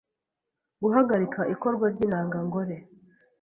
guhagarika ikorwa ry’intanga ngore